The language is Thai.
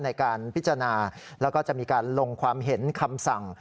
ในการพิจารณาแล้วก็จะมีการลงความเห็นคำสั่ง